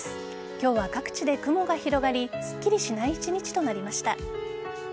今日は各地で雲が広がりすっきりしない一日となりました。